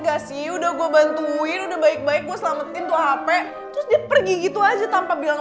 gak sih udah gue bantuin udah baik baik gue selamatin tuh hp terus dia pergi gitu aja tanpa bilang